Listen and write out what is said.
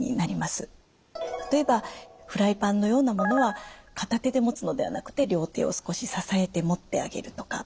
例えばフライパンのようなものは片手で持つのではなくて両手を少し支えて持ってあげるとか。